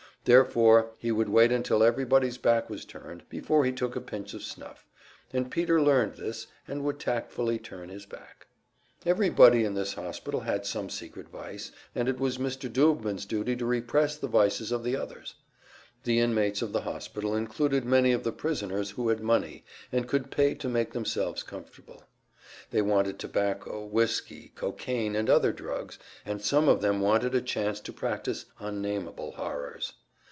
Therefore he would wait until everybody's back was turned before he took a pinch of snuff; and Peter learned this, and would tactfully turn his back. Everybody in this hospital had some secret vice, and it was Mr. Doobman's duty to repress the vices of the others. The inmates of the hospital included many of the prisoners who had money, and could pay to make themselves comfortable. They wanted tobacco, whiskey, cocaine and other drugs, and some of them wanted a chance to practice unnamable horrors.